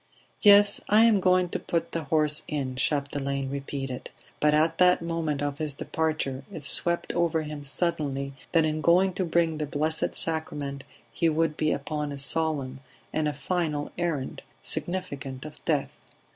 "Yes. I am going to put the horse in," Chapdelaine repeated. But at the moment of his departure it swept over him suddenly that in going to bring the Blessed Sacrament he would be upon a solemn and a final errand, significant of death.